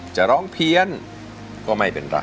จะร้องเพี้ยนก็ไม่เป็นไร